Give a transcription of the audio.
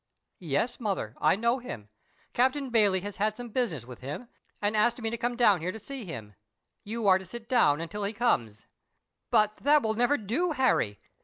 "Yes, mother, I know him. Captain Bayley has had some business with him, and asked me to come down here to see him. You are to sit down until he comes." "But that will never do, Harry.